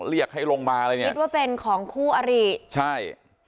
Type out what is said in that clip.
เรียกให้ลงมาอะไรอย่างนี้